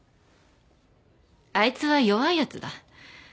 あいつは弱いやつだ